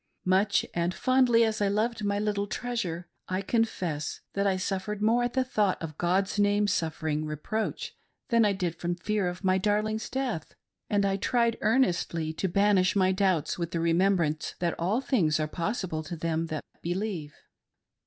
Much and fondly as I loved my little treasure, I confess that I suffered more at the thought of Gk)d's name suffering reproach than I did from fear of my darling's death ; and I tried earnestly to banish my doubts with the remembrance that all things are possible to them that believe.